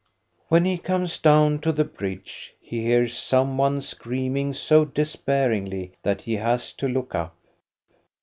When he comes down to the bridge, he hears some one screaming so despairingly that he has to look up.